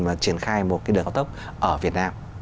mà triển khai một cái đường cao tốc ở việt nam